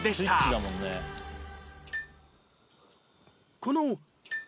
この